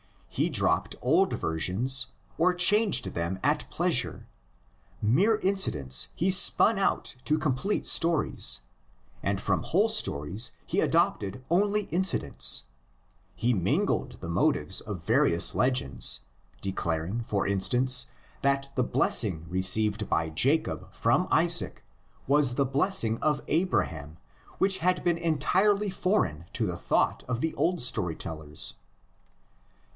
He dropped old versions or changed them at pleas ure; mere incidents he spun out to complete stories, and from whole stories he adopted only inci dents; he mingled the motives of various legends, declaring, for instance, that the blessing received by Jacob from Isaac was the blessing of Abraham, which had been entirely foreign to the thought of the old story tellers (xxviii.